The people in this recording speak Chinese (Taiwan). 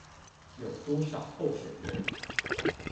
有多少候選人